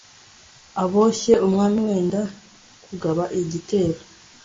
uboshye umwami wenda kugaba igitero